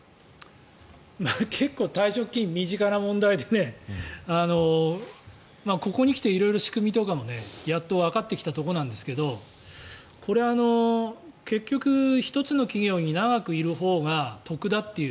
結構退職金は身近な問題でここに来て色々仕組みとかもやっとわかってきたところですがこれ、結局１つの企業に長くいるほうが得だっていう。